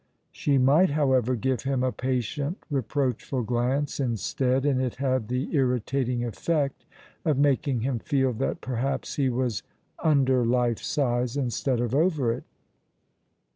She might, however, give him a patient, reproachful glance instead, and it had the irritating effect of making him feel that perhaps he was under life size, instead of over it.